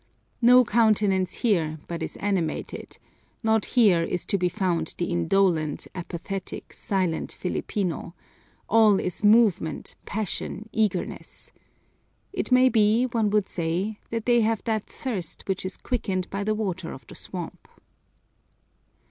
No countenance here but is animated not here is to be found the indolent, apathetic, silent Filipino all is movement, passion, eagerness. It may be, one would say, that they have that thirst which is quickened by the water of the swamp.